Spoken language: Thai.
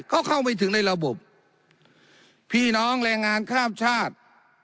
ก็เข้าไม่ถึงในระบบพี่น้องแรงงานข้ามชาติ